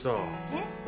えっ？